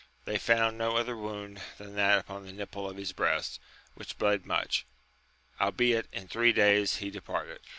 They found no other wound than that upon the nipple of his breast, which bled much ; howbeib in three days he departed.